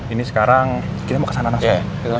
ini sekarang kita mau ke sana langsung